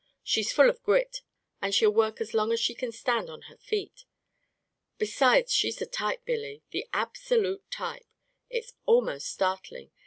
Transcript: She's full of grit, and she'll work as long as she can stand on her feet. Besides, she's the type, Billy — the absolute type. It's almost startling!